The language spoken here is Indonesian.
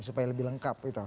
supaya lebih lengkap